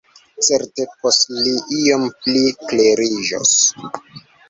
Certe poste li iom pli kleriĝos.